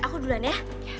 aku duluan ya